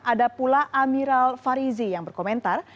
ada pula amiral farizi yang berkomentar